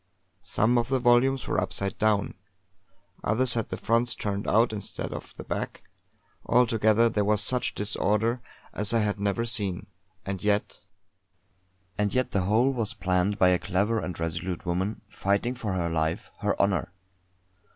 Some of the volumes were upside down; others had the fronts turned out instead of the back. Altogether there was such disorder as I had never seen. And yet!... And yet the whole was planned by a clever and resolute woman, fighting for her life her honour.